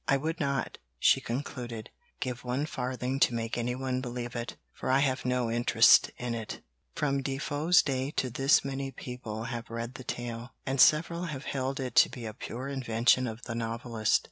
I would not," she concluded "give one farthing to make anyone believe it, for I have no interest in it."' From Defoe's day to this many people have read the tale, and several have held it to be a pure invention of the novelist.